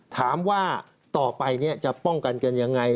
ถามว่าต่อไปจะป้องกันกันยังไง